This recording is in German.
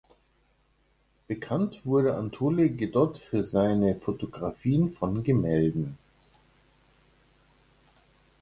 Bekannt wurde Anatole Godet für seine Fotografien von Gemälden.